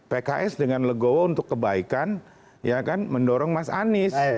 pks dengan legowo untuk kebaikan mendorong mas anies